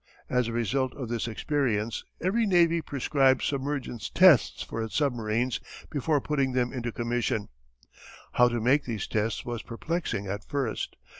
As a result of this experience every navy prescribed submergence tests for its submarines before putting them into commission. How to make these tests was perplexing at first.